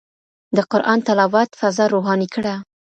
د قرآن تلاوت فضا روحاني کړه.